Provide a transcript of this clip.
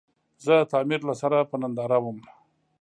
زه د تعمير له سره په ننداره ووم.